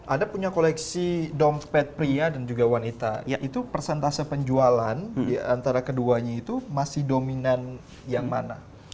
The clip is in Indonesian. ada punya koleksi dompet pria dan juga wanita yaitu persentase penjualan diantara keduanya itu masih dominan yang mana